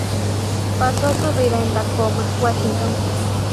Pasó su vida en Tacoma, Washington.